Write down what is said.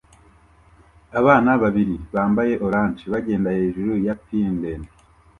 Abana babiri bambaye orange bagenda hejuru ya pir ndende